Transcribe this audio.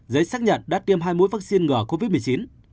giấy xác nhận đã tiêm hai mũi vaccine ngừa covid một mươi chín